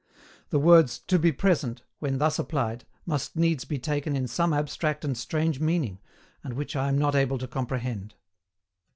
The words "to be present," when thus applied, must needs be taken in some abstract and strange meaning, and which I am not able to comprehend.